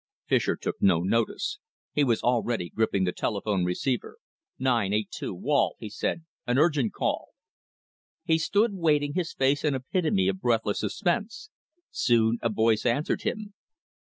Fischer took no notice. He was already gripping the telephone receiver. "982, Wall," he said "an urgent call." He stood waiting, his face an epitome of breathless suspense. Soon a voice answered him.